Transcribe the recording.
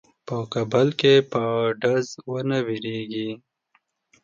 په کابل کې به ډز وانه وریږي.